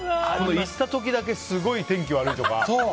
行った時だけすごい天気が悪いとか。